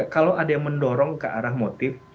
kalau ada yang mendorong ke arah motif